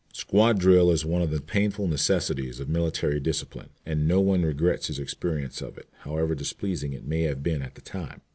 Squad drill is one of the painful necessities of military discipline, and no one regrets his experience of it, however displeasing it may have been at the time.